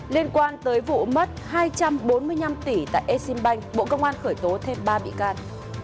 liên quan tới vụ mất hai trăm bốn mươi năm tỷ tại exim bank bộ công an khởi tố thêm ba bị can